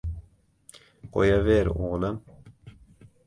— Qo‘yaver, o‘g‘lim.